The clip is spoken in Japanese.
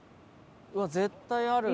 うわっ絶対ある。